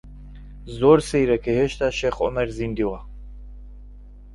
زۆر سەیرە کە هێشتا شێخ عومەر زیندووە.